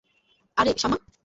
আরে, শামা!